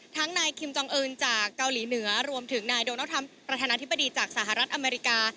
นายคิมจองอื่นจากเกาหลีเหนือรวมถึงนายโดนัลดทรัมปประธานาธิบดีจากสหรัฐอเมริกา